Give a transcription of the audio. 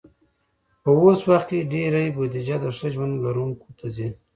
په اوس وخت کې ډېری بودیجه د ښه ژوند لرونکو ته ځي.